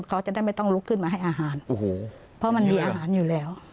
เขาจะได้ไม่ต้องลุกขึ้นมาให้อาหารโอ้โหเพราะมันมีอาหารอยู่แล้ว